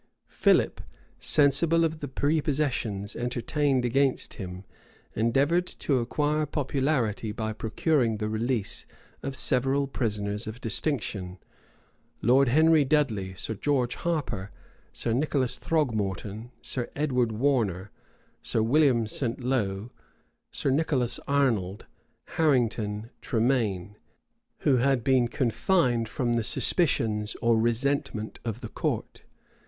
Philip, sensible of the prepossessions entertained against him, endeavored to acquire popularity by procuring the release of several prisoners of distinction; Lord Henry Dudley, Sir George Harper, Sir Nicholas Throgmorton, Sir Edmond Warner, Sir William St. Lo, Sir Nicholas Arnold, Harrington, Tremaine, who had been confined from the suspicions or resentment of the court.